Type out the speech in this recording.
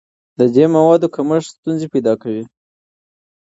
د دې موادو کمښت ستونزې پیدا کوي.